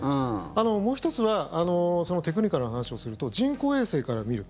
もう１つはテクニカルな話をすると人工衛星から見る。